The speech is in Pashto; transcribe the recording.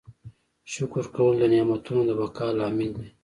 شکر کول د نعمتونو د بقا لامل دی.